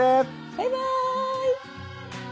バイバーイ！